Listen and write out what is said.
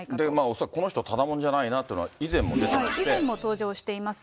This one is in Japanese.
恐らくこの人、ただもんじゃないなっていうのは、以前も出て以前も登場しています。